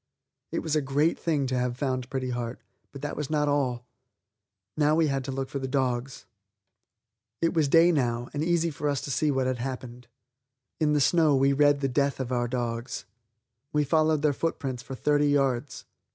It was a great thing to have found Pretty Heart, but that was not all. Now we had to look for the dogs. It was day now and easy for us to see what had happened. In the snow we read the death of our dogs. We followed their footprints for thirty yards.